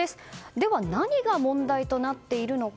では何が問題となっているのか。